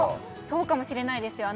そうかもしれないですよ